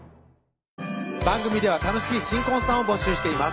番組では楽しい新婚さんを募集しています